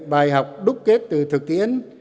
bài học đúc kết từ thực tiến